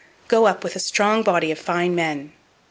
Go up with a strong body of fine men.